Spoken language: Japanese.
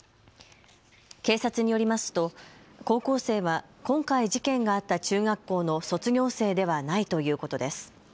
警察によりますと高校生は今回事件があった中学校の卒業生ではないということです。